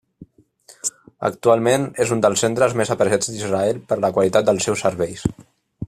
Actualment, és un dels centres més apreciats d'Israel per la qualitat dels seus serveis.